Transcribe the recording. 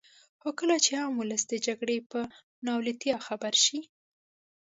خو کله چې عام ولس د جګړې په ناولتیا خبر شي.